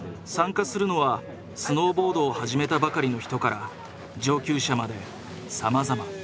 参加するのはスノーボードを始めたばかりの人から上級者までさまざま。